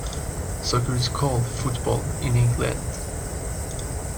Soccer is called Football in England.